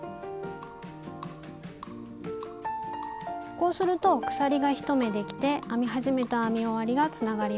こうすると鎖が１目できて編み始めと編み終わりがつながります。